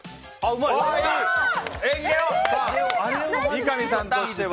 三上さんとしては。